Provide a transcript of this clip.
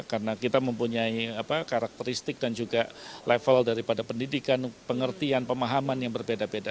karena kita mempunyai karakteristik dan juga level daripada pendidikan pengertian pemahaman yang berbeda beda